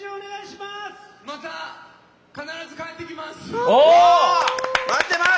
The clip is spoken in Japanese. また必ず帰ってきます！